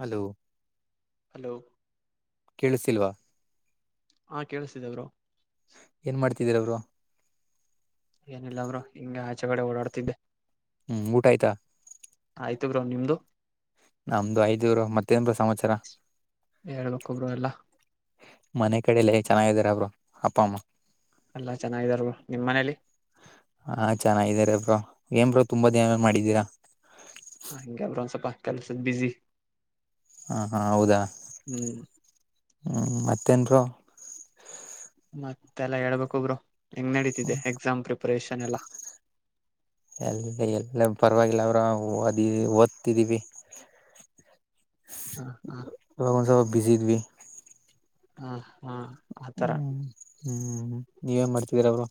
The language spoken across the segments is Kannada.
ಹಲೋ ಹಲೋ ಕೇಳಿಸಿಲ್ವಾ ಹಾ ಕೇಳಿಸತಿದವರು ಏನ್ ಮಾಡ್ತಿದೀರ ಅವರು ಏನಿಲ್ಲ ಅವರು ಹಿಂಗಗೆ ಆಚೆಗಡೆ ಓಡಾಡ್ತಿದ್ದೆ ಹ್ಮ್ ಊಟ ಆಯ್ತಾ ಆಯ್ತು ಬ್ರೋ ನಿಮ್ದು ನಮ್ದು ಅಯ್ತು ಬ್ರೋ ಮತ್ತೇನ್ ಬ್ರೋ ಸಮಾಚಾರ ಹೇಳ್ಬೇಕು ಬ್ರೋ ಎಲ್ಲಾ ಮನೆ ಕಡಲ್ಲ ಚೆನ್ನಾಗಿದಾರ ಬ್ರೋ ಅಪ್ಪ ಅಮ್ಮ ಎಲ್ಲಾ ಚೆನ್ನಾಗಿದಾರ ಬ್ರೋ ನಿಮ್ ಮನೇಲಿ ಹಾ ಚೆನ್ನಾಗಿದಾರೆ ಬ್ರೋ ಏನ್ ಬ್ರೋ ತುಂಬಾ ದಿನದ್ ಮೇಲೆ ಮಾಡಿದ್ದೀರಾ ಹ ಹಗೆಲ್ ಒಂದ್ಸವಲ್ಪ ಕೆಲ್ಸದ ಬಿಸಿ ಹಾ ಹಾ ಹೌದಾ ಹ್ಮ್ ಹ್ಮ ಮತ್ತೇನ್ರು ಮತ್ತೆಲ್ಲ ಹೇಳ್ಬೇಕ ಬ್ರೋ ಹೆಂಗ್ ನಡೀತಿದೆ ಎಕ್ಸಾಮ್ ಪ್ರಿಪರೇಷನ್ ಎಲ್ಲ ಎಲ್ಲ ಎಲ್ಲ ಪರವಾಗಿಲ್ಲ ಅವ್ರ ಓದಿ ಓದ್ತಿದೀವಿ ಹಾ ಹಾ ಬ್ಯುಸಿದ್ದ್ವಿ ಹಾ ಹಾ ಆತರ ಹ್ಮ್ ಹ್ಮ್ ನೀವೇನ್ ಮಾಡ್ತಿದೀರ ಅವರು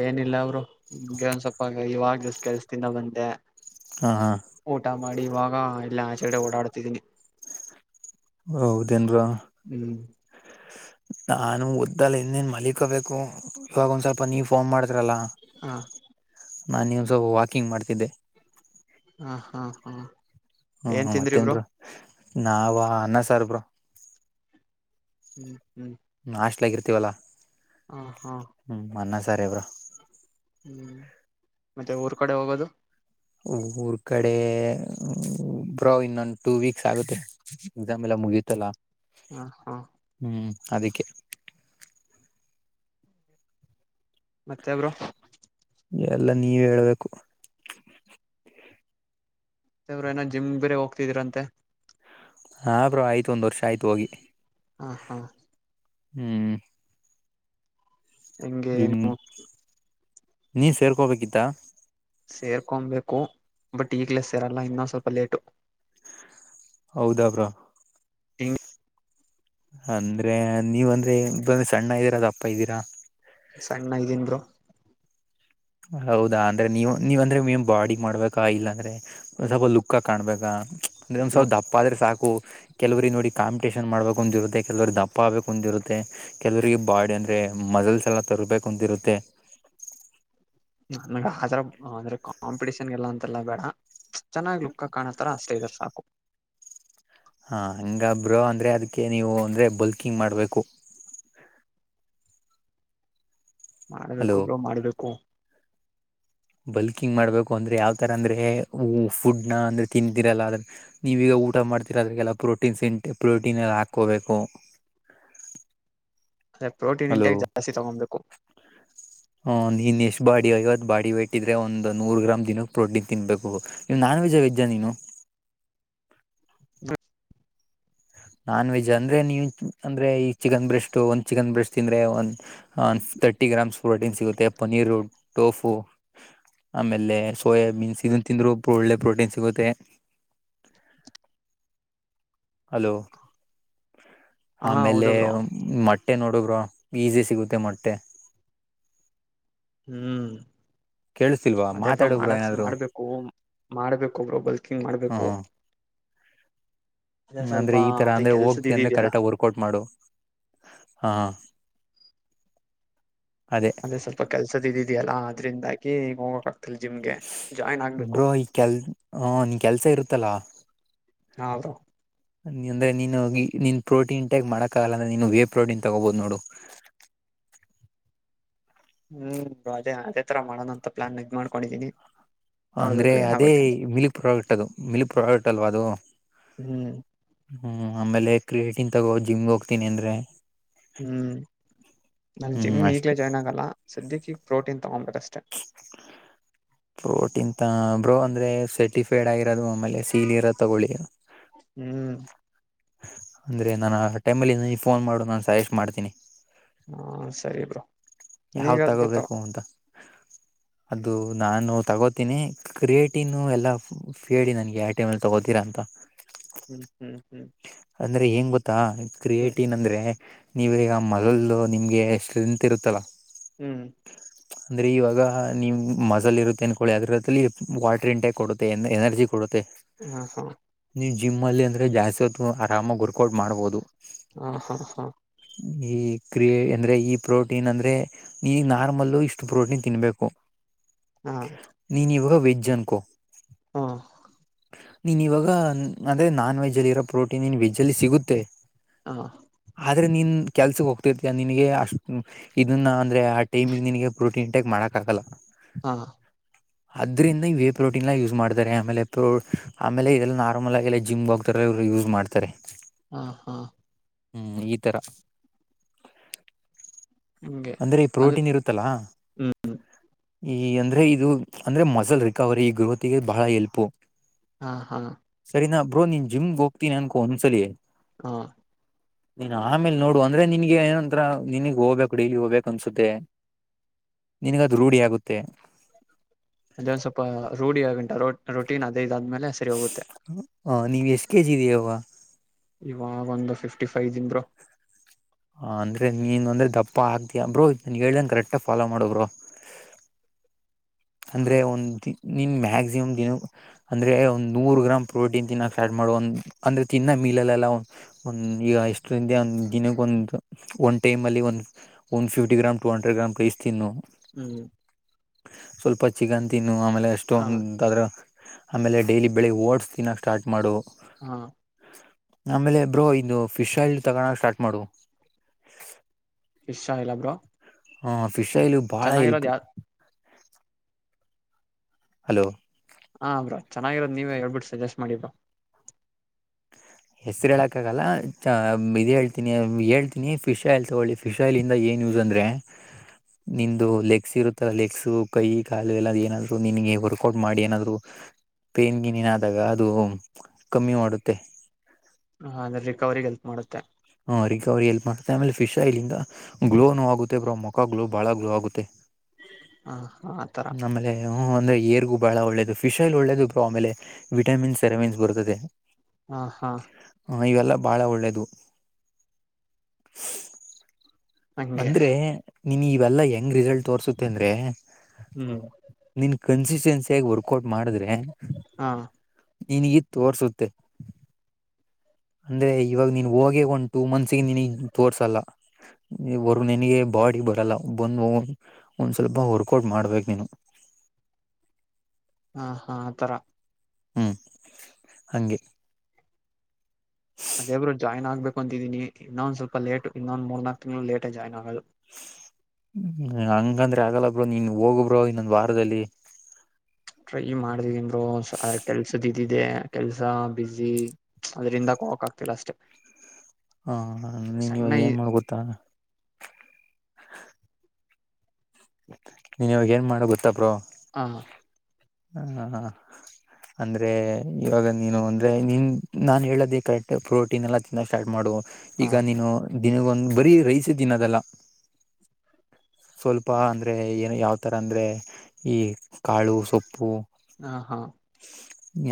ಏನಿಲ್ಲ ಅವರು ನಿಗೆ ಒಂದ್ ಸ್ವಪ್ಪ ಇವಾಗ ಜಷ್ಟ ಕೆಲ್ಸ ತಿಿನ ಬಂದೆ ಹಾ ಹಾ ಊಟ ಮಾಡಿ ಇವಾಗ ಇಲ್ಲ ಆಚೆಡೆ ಓಡಾಡ್ತಿದ್ದೀನಿ ಹೌದೇನ ಬ್ರೋ ನಾನು ಉದ್ದಲ್ಲಿ ಇನ್ನೇನ್ ಮಲಕೋಬೇಕು ಇವಾಗ ಒಂದ್ ಸ್ವಲ್ಪ ನೀ ಫೋನ್ ಮಾಡ್ ಹ ನಾನ ನಿನ್ನ ಸ್ವಲ್ ವಾಕಿಂಗ್ ಮಾಡ್ತಿದ್ದೆ ಹಾ ಹಾ ಹಾ ಏನ್ ಹ್ಮ್ ತಿಂದ್ರಿ ಮತ್ತೇನ್ ಬ್ರೋ ನಾವ ಅನ್ನ ಸಾರ್ ಬ್ರೋ ಹ್ಮ್ ಹ್ಮ್ ನಾಸ್ಟ್ಲಗರ್ತೀವಲ್ಲಾ ಹಾ ಹ್ಮ್ ಅನ್ನ ಸಾರೆ ಬ್ರೋ ಹ್ಮ್ ಮತ್ತೆ ಊರ್ ಕಡೆ ಹೋಗೋದು ಊರ್ ಕಡೆ ಬ್ರೋ ಇನ್ನೊಂದು್ ಟೂ ವೀಕ್ಸ್ ಆಗುತ್ತೆ ಎಕ್ಸಾಮ್ ಎಲ್ಲ ಮುಗಿತಲ್ಲ ಹಾ ಹಾ ಅದಕ್ಕೆ ಮತ್ತೆ ಬ್ರೋ ಎಲ್ಲ ನೀವ ಹೇಳ್ಬೇಕು ಮತ್ತೆ ಬ್ರೋ ಏನ ಜಿಮ್ ಬೇರೆ ಹೋಗ್ತಿದೀರಂತೆ ಹಾ ಬ್ರೋ ಆಯ್ತು ಒಂದ್ ವರ್ಷ ಆಯ್ತು ಹೋಗಿ ಹಾ ಹಾ ಹ್ಮ್ ಹೆಂಗೆ ಏನು ನೀ ಸೇರ್ಕೋಬೇಕಿತ್ತ ಸೇರ್ಕೊಬೇಕು ಬಟ್ ಈಗ್ಲೇ ಸೇರಲ್ಲ ಇನ್ನೊಂದು ಸ್ವಲ್ಪ ಲೇಟು ಹೌದಾ ಬ್ರೋ [unintelligible] ಅಂದ್ರೆ ನೀವ ಅಂದ್ರೆ ಇದಂದ್ರೆ ಸಣ್ಣ ಇದ್ದೀರಾ ದಪ್ಪ ಇದ್ದೀರಾ ಸಣ್ಣ ಇದೀನ್ ಬ್ರೋ ಹೌದಾ ಅಂದ್ರೆ ನೀವು ನೀವಂದ್ರೆ ನೀನ್ ಬಾಡಿ ಮಾಡ್ಬೇಕಾ ಇಲ್ಲಾಂದ್ರೆ ಸ್ವಲ್ಪ ಲುಕ್ಕ ಕಾಣ್ಬೇಕಾ ಅಂದೆ ಒಂದ್ ಸ್ವಲ್ಪ ಲುಕ್ ದಪ್ಪ ಆದ್ರೆ ಸಾಕು ಕೆಲವ್ರಿಗೆ ನೋಡಿ ಕಾಂಪಿಟೇಷನ್ ಮಾಡ್ಬೇಕು ಒಂದಿರುತ್ತೆ ಕೆಲವ್ರ ದಪ್ಪ ಆಗ್ಬೇಕು ಒಂದಿರುತ್ತೆ ಕೆಲವರಿಗೆ ಬಾಡಿ ಅಂದ್ರೆ ಮಜಲ್ಸ ಎಲ್ಲ ತರ್ಬೇಕು ಅಂತಿರುತ್ತೆ [unintelligible] ನನಗ್ ಆ ತರ ಅಂದ್ರೆ ಕಾಂಪಿಟಷನ್ಗೆಲ್ಲ ಅಂತೆಲ್ಲ ಬೇಡ ಚನ್ನಾಗ್ ಲುಕ್ ಕಾಣೋತರ ಅಷ್ಟೇ ಇದ್ರೆ ಸಾಕು ಹಾ ಹಂಗ ಬ್ರೋ ಅಂದ್ರೆ ಅದಕ್ಕೆ ನೀವು ಅಂದ್ರರೆ ಬಲ್ಕಿಂಗ್ ಮಾಡ್ಬೇಕು [unintelligible] ಹಲೋ ಮಾಡ್ಬೇಕು ಬ್ರೋ ಮಾಡ್ಬೇಕು ಬಲ್ಕಿಂಗ್ ಮಾಡ್ಬೇಕು ಅಂದ್ರೆ ಯಾವ್ತರ ಅಂದ್ರೆ ಫುಡ್ ನ ಅಂದ್ರೆ ತಿಂದರಲ್ಲ ನೀವೀಗ ಊಟ ಮಾಡ್ತಿೀರ ಅದ್ರೆಲ್ಲ ಪ್ರೋಟೀನ್ಸ್ ಇಂಟೆ ಪ್ರೋಟೀನ್ ಎಲ್ಲ ಹಾಕೋಬೇಕು [unintelligible] ಅದೇ ಪ್ರೋಟೀನ್ ಹಲೋ ಇಂಟೆಂಗ್ ಜಾಸ್ತಿ ತಗೊಬೇಕು ನೀನು ಬಾಡಿ ಐವತ್ತು ಬಾಡಿ ವೇಟ್ ಇದ್ರೆ ಒಂದು ನೂರು ಗ್ರಾಮ್ ದಿನಕ್ಕೆ ಪ್ರೋಟೀನ್ ತಿನ್ಬೇಕು ನೀ ನಾನ್ ವೆಜ್ ವೆಜ್ ನೀನು [unintelligible] [unintelligible] ನಾನ್ ವೆಜ್ ಅಂದ್ರೆ ನೀವು ಅಂದ್ರೆ ಈ ಚಿಕನ್ ಬ್ರೆಸ್ಟ್ ಒಂದ್ ಚಿಕನ್ ಬ್ರೆಸ್ಟ್ ತಿಂದ್ರೆ ಒ ಒಂದ್ ತರ್ಟಿ ಗ್ರಾಮ್ಸ್ ಪ್ರೋಟೀನ್ ಸಿಗುತ್ತೆ ಪನೀರು ಟೋಫು ಆಮೇಲೆ ಸೋಯಾಬೀನ್ಸ್ ಇದನ್ನ ತಿಂದ್ರು ಒಳ್ಳೆ ಪ್ರೋಟೀನ್ ಸಿಗುತ್ತೆ [unintelligible] ಹಲೋ ಹಾ ಆಮೇಲೆ ಹೌದು ಬ್ರೋ ಮೊಟ್ಟೆ ನೋಡು ಬ್ರೋ ಈಸಿ ಸಿಗುತ್ತೆ ಮೊಟ್ಟೆ ಹ್ಮ್ ಕೇಳಿಸಿಲ್ ಅದೇ ಬ್ರೊ ಮಾಡಕ್ ಮಾಡ್ಬೇಕು ಮಾಡ್ಬೇಕು ಬ್ರೊ ಬಲ್ಕಿಂಗ್ ಮಾಡ್ಬೇಕು ಅದೇ ಹ್ಮ ಸ್ವಲ್ಪ ಅಂದ್ರೆ ಈ ತರ ಅದೇ ಅಂದ್ರೆ ಕೆಲ್ಸದ ಹೋಗ್ತಿ ಅಂದ್ರೆ ಇದಿದ್ಯಲ್ಲ ಕರೆಕ್ಟ ವರ್ಕೌಟ್ ಮಾಡು ಹಾ ಅದೇ ಸ್ವಲ್ಪ ಕೆಲ್ಸದ ಇದಿದ್ಯಲ್ಲ ಅದ್ರಿಂದಾಗಿ ಹೋಗತ ಬ್ರೋ ಈ ಕೆಲ್ ಹಾ ಕೆಲ್ಸ ಇರುತ್ತಲಾ ಹೌದು ಅಂದ್ರೆ ನೀನು ನೀನ್ ಪ್ರೋಟೀನ್ ಟ್ಯಾಗ್ ಮಾಡೋಕ್ಕಾಗಲ್ಲ ಅಂದ್ರೆ ನೀನು ವೇ ಪ್ರೋಟೀನ್ ತಗೋಬೋದು ನೋಡು ಹ [inaudible] ಹ್ಮ್ ಅದೇ ಅದೇ ತರ ಮಾಡೋಣಂತ ಪ್ಲಾನ್ ಇದ್ ಮಾಡ್ಕೊಂಡಿದ್ದೀನಿ ಅಂದ್ರೆ ಅದೇ ಮಿಲ್ಕ್ ಪ್ರಾಡಕ್ಟ್ ಅದು ಮಿಲ್ಕ್ ಪ್ರಾಡಕ್ಟ್ ಅಲ್ವಾ ಅದು ಹ್ಮ್ ಹ್ಮ್ ಆಮೇಲೆ ಕ್ರಿಕೆಟಿನ್ ತಗೋ ಜಿಮ್ಗೆ ಹೋಗ್ತೀನಿ ಅಂದ್ರೆ ಹ್ಮ್ ನನ್ ಹ್ಮ್ ಜಿಮ್ ಈಗ್ಲೆೇ ಅಷ್ಟೇ ಜಾಯ್ನ್ ಆಗಲ್ಲ ಸದ್ಯಕ್ಕೆ ಈ ಪ್ರೋಟೀನ್ ತಗೊಂಡ್ಂಬೆಕ್ ಆಸ್ ಹ [inaudible] ಪ್ರೋಟೀನ್ ತ ಬ್ರೋ ಅಂದ್ರೆ ಸೆಟಿಫೈಡ್ ಆಯ್ ರದು ಆಮೇಲೆ ಸೀಲಿ ಇರದ್ ತಗೊಳಿ ಹ್ಮ್ ಅಂದ್ರೆ ನಾನ ಟೈಮಲ್ಲಿ ಫೋನ್ ಮಾಡು ನಾನು ಸಜೆಸ್ ಮಾಡ್ತೀನಿ ಹ್ಮ ಸರಿ ಬ್ರೋ ಯಾವ್ ನೀವ್ ಯಾವುದು ಬ್ರೋ ತಗೋಬೇಕು ಅಂತ ಅದು ನಾನು ತಗೋತೀನಿ ಕ್ರಿಯೇಟಿನ್ ಎಲ್ಲ ಫೇ ನನ್ಗೆ ಆ ಟೈಮಲ್ಲಿ ತಗೋತೀರ ಅಂತ ಹ್ಮ್ ಹ್ಮ್ ಹ್ಮ್ ಅಂದ್ರೆ ಎನ್ ಗೊತ್ತಾ ಹ್ಮ್ ಕ್ರಿಯೇಟಿವನ್ ಅಂದ್ರೆ ನೀವ್ ಈಗ ಮೊಲ್ ನಿಮ್ಗೆ ಸ್ಟ್ರೆಂತ್ ಇರುತ್ತಲ್ಲಾ ಹ್ಮ್ ಅಂದ್ರೆ ಇವಾಗ ನಿಮ್ ಮಜಲ್ ಇರುತ್ತೆ ಅನ್ಕೊಳ್ಳಿ ಅದ್ರದಲ್ಲಿ ವಾಟ್ರ್ ಇಂಟ್ಯಾಕ್ ಕೊಡುತ್ತೆ ಎ ಎನರ್ಜಿ ಕೊಡುತ್ತೆ ಹಾ ಹಾ ನೀವು ಜಿಮ್ ಅಲ್ಲಿ ಅಂದ್ರೆ ಜಾಸ್ತಿ ಹೊತ್ತು ಆರಾಮಾಗಿ ವರ್ಕೌಟ್ ಮಾಡ್ಬಹದು ಹಾ ಹಾ ಹಾ ಈ ಕ್ರಿಯೆ ಅಂದ್ರೆ ಈ ಪ್ರೋಟೀನ್ ಅಂದ್ರೆ ಈ ನಾರ್ಮಲ್ಲು ಇಷ್ಟು ಪ್ರೋಟೀನ್ ತಿನ್ಬೇಕು ಹಾ ಹಾ ನೀನ್ ಇವಾಗ ವೆಜ್ ಅನ್ಕೋ ಹ್ಮ ನೀನ್ ಇವಾಗ ಅಂದ್ರೆ ನಾನ್ ವೆಜ್ ಅಲ್ಲಿ ಇರೋ ಪ್ರೋಟೀನ್ ನಿನ್ ವೆಜ್ ಅಲ್ಲಿ ಸಿಗುತ್ತೆ ಹಾ ಹಾ ಆದ್ರೆ ನೀನ್ ಕೆಲ್ಸಕ್ಕೆ ಹೋಗ್ತಿರ್ತಯ ನಿನಗೆ ಅಷ್ಟ ಇದನ್ನ ಅಂದ್ರೆ ಆ ಟೈಮಿಗೆ ನಿನಗೆ ಪ್ರೋಟೀನ್ ಟ್ಯಾಕ್ ಮಾಡಕ್ಕ ಆಗಲ್ಲ ಹಾ ಅದ್ರಿಂದ ಇ ವೇ ಪ್ರೋಟೀನ್ ಎ ಯೂಸ್ ಮಾಡ್ತಾರೆ ಪ್ರೊ ಆಮೇಲೆ ಆಮೇಲೆ ಇದೆಲ್ಲ ನಾರ್ಮಲ್ ಆ ಎಲ್ಲ ಜಿಮ್ ಹೋಗ್ತಾರೆ [unintelligible] ಯೂಸ್ ಮಾಡ್ತಾರೆ ಹಾ ಹಾ ಹ್ಮ್ ಈ ತರ ಹಂಗೆ ಅಂದ್ರೆ ಈ ಅಂದ್ರ ಪ್ರೋಟೀನ್ ಇರುತ್ತಲಾ ಹ್ಮ್ ಈ ಅಂದ್ರೆ ಇದು ಅಂದ್ರೆ ಮಸಲ್ ರಿಕವರಿ ಗ್ರೋತಿ ಗೆ ಬಹಳ ಎಲ್ಪ್ ಹಾ ಹಾ ಬ್ರೋ ನೀನ್ ಜಿಮ್ಗೆ ಹೋಗ್ತೀನಿ ಅನ್ಕೋ ಒಂದ್ಸಲಿ ಹ ನೀನ್ ಆಮೇಲ್ ನೋಡು ಅಂದ್ರೆ ನಿನ್ಗೆ ಏನಂಂತರ ನಿನಗ್ ಹೋಗ್ಬೇಕ್ [unintelligible] ಕುುಡಲಿ ಹೋಗ್ಬೇಕು ಅನ್ಸುತ್ತೆ ನಿನಗದು ರೂಢಿಯಗುತ್ತೆ ಅದೊಂದ್ ಸ್ವಲ್ಪ ರೂಢಿ ಆಗಂಟ ರ ರೊಟೀನ್ ಅದೈದುಾದ್ಮೇಲೆ ಸರಿ ಹೋಗುತ್ತೆ ಹ ನೀವ್ ಎಸ್ಟ್ ಕೆೇಜಿ ಇದೀವಗ ಇವಾಗ ಒಂದು ಫಿಫ್ಟಿ ಫೈವ್ ಇದೀನ್ ಬ್ರೊ ಹ ಅಂದ್ರೆ ನೀನ್ ಅಂದ್ರೆ ದಪ್ಪ ಆಗ್ತಯಾ ಬ್ರೋಾನನ್ ಹೇಳ್ದನ್ ಕರೆಕ್ಟ ಫಾಲೋ ಮಾಡಬ್ರೋ [inaudible] ಹಾ ಅಂದ್ರೆ ಒಂದ ನಿನ್ ಮ್ಯ [unintelligible] [unintelligible] ಮ ಅಂದ್ರೆ ಒಂದು ನೂರು ಗ್ರಾಮ್ ಪ್ರೋಟೀನ್ ತಿನ್ನೋಕ್ ಸ್ಟಾರ್ ಮಾಡುವ ಅಂದ್ರೆ ತಿನ್ನ ಮೀಲಲ್ಲಲ್ಲ ಒಂದ್ ಈಗ ಎಷ್ಟು ದ ಒಂದ ದಿನ ಒಂದು ಒಂನ್ ಟೈಮಲ್ಲಿ one fifty gram two hundred gram [unintelligible] ತಿನ್ನು ಹ್ಮ್ ಸ್ವಲ್ಪ ಚಿಕನ್ ತಿನ್ನು ಆಮೇಲೆ ಹಾ ಅಷ್ಟೊಂದದ್ರ [unintelligible] ಆಮೇಲೆ ಡೈಲಿ ಬೆಳಿಗ್ ಓಡ್ಸ್ ದಿನ ಸ್ಟಾರ್ಟ ಮಾಡು ಹಾ ಆಮೇಲೆ ಬ್ರೋ ಇದು ಫಿಶ್ಲ್ [unintelligible] ತಳ ಸ್ಟಾರ್ಟ್ ಮಾಡು [unintelligible] ಷಾ ಇಲ್ಲ ಬ್ರೋ ಹಾ ಫಿಶ್ಲು ಬಾಳ ಚೆನ್ನಾಗಿರೋದು ಎಲ್ಪು ಯಾ ಹಲೋ ಹ ಬ್ರಾ ಚೆನ್ನಾಗಿರೋದ್ ನೀವ ಹೇಳ್ಬಿಟ್ಟು ಸಜೆಸ್ಟ್ ಮಾಡಿ ಬ್ರೋ ಹೆಸ್ರು ಹೇಳಕಾಗಲ್ಲ ಇ್ ಹೇಳ್ತಿನಿ ಹೇಳ್ತೀನಿ ಫಿಶ್ ಆಯಿಲ್ ತಗೊಳ್ಳಿ ಫಿಶ್ ಆಯಿಲ್ಂದ ಏನ್ ನ್ಯೂಸ್ ಅಂದ್ರೆ ನಿಂದು ಲೆಗ್ಸ್ ಇರುತ್ತಲ್ಲ ಲೆಗ್ಸ್ ಕೈ ಕಾಲು ಎಲ್ಲ ಏನಾದ್ರು ನಿನಗೆ ವರ್ಕೌಟ್ ಮಾಡಿ ಏನಾದ್ರು ಪೇನ್ ಗಿನಿನ್ ಆದಾಗ ಅದು ಕಮ್ಮಿ ಮಾಡುತ್ತೆ ಹ ಅಂದ್ರೆ ರಿಕವರಿಗ್ ಎಲ್ಪ್ ಮಾಡುತ್ತೆ ಹಾ ರಿಕವರಿ ಎಲ್ಪ್ ಮಾಡ್ತೆ ಆಮೇಲೆ ಫಿಶ್ ಆಯ್ಲಿಂದ ಗ್ಲೋನು ಆಗುತ್ತೆ ಬ್ರೋ ಮ ಮುಖ ಗ್ಲೋ ಬಾಳ ಗ್ಲೋ ಆಗುತ್ತೆ ಹ ಹಾ ಆತರ ಆಮೇಲೆ ಹ ಅಂದ್ರೆ ಏರ್ಗೂ ಬಹಳ ಒಳ್ಳೇದು ಫಿಶಲ್ಲಿ ಒಳ್ಳೇದುಬ್ರು ಆಮೇಲೆ ವಿಟಮಿನ್ಸ್ ಸೆರಮಿನ್ಸ್ ಬರುತ್ತದೆ ಹಾ ಹಾ ಹ ಇವೆಲ್ಲ ಬಹಳ ಒಳ್ಳೇದು [inaudible] ಹಂಗೆ ಅಂದ್ರೆ ನೀನ್ ಇವೆಲ್ಲಾ ಹೆಂಗ್ ರಿಸಲ್ಟ್ ತೋರ್ಸುತ್ತೆ ಅಂದ್ರೆ ಹ್ಮ್ ಇನ್ ಕನ್ಸಿಸ್ಟೆನ್ಸಿಯಾಗಿ ವರ್ಕೌಟ್ ಮಾಡಿದ್ರೆ ಹಾ ನಿನಿಗಿ [unintelligible] ತೋರಿಸುತ್ತೆ ಅಂದ್ರೆ ಇವಾಗ ನೀನ್ ಹೋಗಿ ಒಂದು ಟು ಮಂತ್ಸಿಗೆ ನೀನ್ ತೋರ್ಸಲ್ಲ ಹೊರ್ಗ ನನ್ಗೆ ಬಾಡಿ ಬರಲ್ಲ ಬಂದು ಒಂದ್ ಸ್ವಲ್ಪ ವರ್ಕೌಟ್ ಮಾಡ್ಬೇಕು ನೀನು ಹಾ ಹಾ ಆ ತರ ಹ್ಮ್ ಹಂಗೆ ಅದೇಬ್ಬರು ಜಾಯ್ನ್ ಆಗ್ಬೇಕು ಅಂತಿದೀನಿ ಇನ್ನೊಂದ ಸ್ವಲ್ಪ ಲೇಟ್ ಇನ್ನೊಂದ ಮೂರ್ ನನಾಲ್ಕ್ಂಗಳು ಲೇಟ ಆ ಜಾಯ್ನ್ ಆಗೋದು [inaudible] ಹ್ಮ ಹಂಗಂದ್ರೆ ಆಗಲ್ಲ ಬ್ರೋ ನೀನ್ ಹೋಗಬ್ರೋ ಇನ್ನೊಂದ್ ವಾರದಲ್ಲಿ ಟ್ರೈ ಮಾಡ್ತಿದ್ದೀನಿ ಬ್ರೋ ಅದ ಕೆಲ್ಸದಿದ್ದಿದೆ ಕೆಲ್ಸ ಬಸಿ ಅದ್ರಿಂದ ಹೋಗಕೆ ಆಗ್ತಿಲ್ಲ ಅಷ್ಟೇ ಹಾ ನೀನ್ ಸಣ್ಣ ಇವಾಗ ಈ ಏನ್ ಮಾಡ ನೀನ್ವಾಗ ಏನ್ ಮಾಡ ಗೊತ್ತ ಬ್ರೋ ಹಾ ಹಾ ಹಾ ಹಾ ಅಂದ್ರೆ ಇವಾಗ ನೀನು ಅಂದ್ರೆ ನೀನ್ ನಾನ್ ಹೇಳೋದೇ ಕರೆಕ್ಟ್ ಪ್ರೋಟೀನ್ ಎಲ್ಲ ತಿನ್ನ ಸ್ಟಾರ್ಟ್ ಮಾಡು ಹಾ ಈಗ ನೀನು ದಿನಗೊಂದ್ ಬರೀ ರೈಸೆ ತಿನ್ನೋದಲ್ಲ ಸ್ವಲ್ಪ ಅಂದ್ರೆ ಏನು ಯಾವತರ ಅಂದ್ರೆ ಈ ಕಾಳು ಸೊಪ್ಪು ಹಾ ಹಾ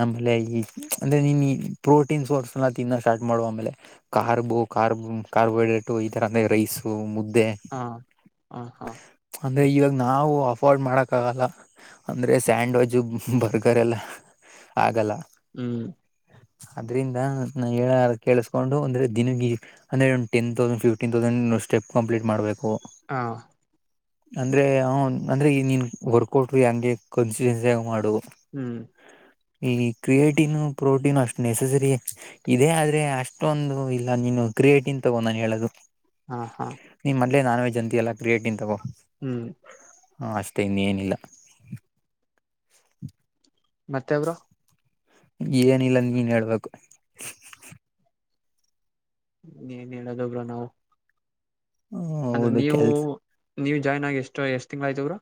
ಆಮೇಲೆ ಈ ಅಂದ್ರೆ ನೀನ್ ಪ್ರೋಟೀನ್ ಸೋರ್ಸ್ ಎಲ್ಲ ತಿನ್ನ ಸ್ಟಾರ್ಟ್ ಮಾಡು ಆಮೇಲೆ [unintelligible] ಬ ಕಾರ್ಬೋಹೈಡ್ರೇಟ್ ಈ ತರ ಅಂದ್ರೆ ರೈಸ ಮುದ್ದು ಹಾ ಹಾ ಹಾ ಅಂದ್ರೆ ಇವಾಗ್ ನಾವು ಅಫೋರ್ಡ್ ಮಾಡಕ್ ಆಗಲ್ಲ ಅಂದ್ರೆ ಸ್ಯಾಂಡ್ವಿಜ್ ಬರ್ಗರ್ ಎಲ್ಲ ಆಗಲ್ಲ ಹ್ಮ್ ಅದ್ರಿಂದ ನ ಹೇಳ ಕೇಳಿಸಕೊಂಡು ಅಂದ್ರೆ ದಿನ ಅಂದ್ರೆ ಒ ಟೆನ್ ತೌಸಂಡ್ ಫಿಫ್ಟೀನ್ ತೌಸಂಡ್ ಇ ಸ್ಟೆಪ್ ಕಂಪ್ಲೀಟ್ ಮಾಡ್ಬೇಕು ಹ ಅಂದ್ರೆ ಹು ಅಂದ್ರೆ ಈ ನೀನ್ ವರ್ಕೌಟು ಹಂಗೆ ಕನ್ಸಯುಸಿ ಆಗ್ ಮಾಡು ಹ್ಮ್ ಈ ಕ್ರಿಯೇಟೀನ್ ಪ್ರೋಟೀನ್ ಅಷ್ಟ ನೆಸಸರಿ ಇದೇ ಆದ್ರೆ ಅಷ್ಟೊಂದು ಇಲ್ಲ ನಿ [unintelligible] ಇ ಕ್ರಿಯೇಟಿನ್ ತಗೊ ನಾ ಹೇಳೋದು ಹಾ ಹಾ ನಾನ್ವೆಜ್ ಅಂತ ಎ ಕ್ರಿಯೇಟಿನ್ ತಗೋ ಹ್ಮ್ ತೆ ಇನ್ನೇನ್ ಇಲ್ಲ ಮತ್ತೆ ಬ್ರೊ ಏನಿಲ್ಲನೀನ್ ಹೇಳ್ಬೇಕು ಏನ್ ಹೇಳಡು ಬ್ರೋ ನಾವು ಹ ಅಂದ್ರೆ ಹೌದು ನೀವು ಕೆಲ್ಸ ನೀವು ಜಾಯ್ನ್ ಆಗಿ ಎಸ್ಟ್ ಎಷ್ಟ್ ತಿಂಗ್ಲ್ ಆಯ್ತು ಬ್ರೋ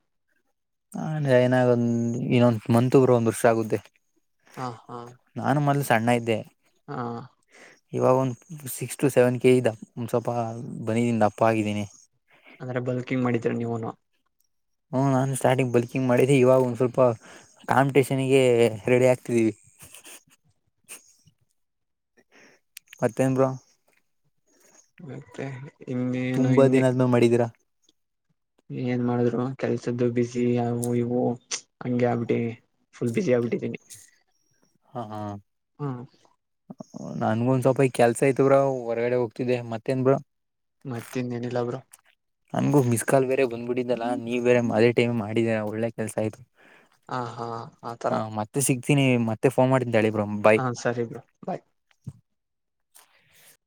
ಅ ಏನಾಗ ಒಂದ್ ಇನ್ನೊಂದ್ ಮಂತ್ ಬ್ರೊ ಒಂದ್ ವರ್ಷ ಆಗುತ್ತೆ ಹಾ ಹಾ ನಾನು ಮೊದ್ಲು ಸಣ್ಣ ಇದ್ದೆ ಹಾ ಇವಾಗ ಒಂದ್ ಸಿಕ್ಸ್ ಟು ಸೆವೆನ್ ಕೆಜಿ ದ ಒಂದ್ ಸ್ವಲ್ಪ ಬನ ದಿಂದ ದಪ್ಪ ಆಗಿದ್ದೀನಿ ಅದ್ರೆ ಬಲ್ಕಿಂಗ್ ಮಾಡಿದೀರ ನೀವುನು ಹ್ಮ ನಾನು ಸ್ಟಾರ್ಟಿಂಗ್ ಬಲ್ಕಿಂಗ್ ಮಾಡಿದ್ದಿ ಇವಾಗ ಒಂದ್ ಸ್ವಲ್ಪ ಕಾಂಪಿಟೇಷನ್ಗೆ ರೆಡಿ ಆಗ್ತಿದೀವಿ [inaudible] ಮತ್ತೆನ್ ಬ್ರೋ ಮತ್ತೆ ಇನ್ನೇ ನು ತುಂಬಾ ಇನ್ನೆ ದಿನ ಆದ್ಮೇಲೆ ಮಾಡಿದೀರಾ ಏನ್ ಮಾಡಿದ್ರು ಕೆಲ್ಸದ್ದು ಬಿಸಿ ಯವು ಇವು ಹಂಗೆ ಆಗ್ಬಿಟಿವಿ ಫುಲ್ ಬಿಸಿ ಆಗ್ಬಿಟ್ಟಿದ್ದೀನಿ ಹಾ ಹ್ಮ ನನ್ಗೊಂದ್ ಸ್ವಲ್ಪ ಈ ಕೆಲ್ಸ ಐತ್ ಬ್ರೋ ಹೊರಗಡೆ ಹೋಗ್ತಿದ್ದೆ ಮತ್ತೇನ್ ಬ್ರೋ ಮತ್ತ ಇನ್ಏನಿಲ್ಲಬ್ರೋ ನನ್ಗು ಮಿಸ್ ಕಾಲ್ ಬೇರೆ ಬಂದ್ಬಿಟ್ಟಿದ್ದಲ್ಲಾ ನೀವ್ ಬೇರೆ ಅದೇ ಟೈಮ್ ಮಾಡಿದರ ಒಳ್ಳೆ ಕೆಲ್ಸ ಆಯ್ತು ಹಾ ಹಾ ಆತರ ೀನ [unintelligible] ಮತ್ತೆಫೋನ್ ಮಾಡ್ತಿನಿ ತಾಳಿ ಹಾ ಸರಿ ಬ್ರೋ ಬಾಯ್